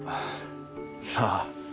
さあ。